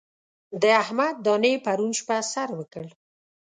د احمد دانې پرون شپه سر وکړ.